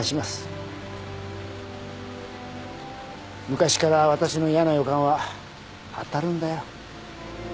昔から私の嫌な予感は当たるんだよ。